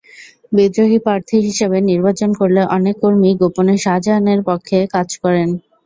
বিদ্রোহী প্রার্থী হিসেবে নির্বাচন করলে অনেক কর্মীই গোপনে শাহজাহানের পক্ষে কাজ করেন।